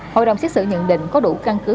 hội đồng xét xử nhận định có đủ căn cứ